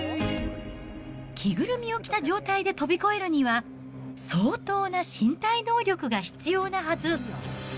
着ぐるみを着た状態で飛び越えるには、相当な身体能力が必要なはず。